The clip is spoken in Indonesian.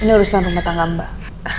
ini urusan rumah tangga mbak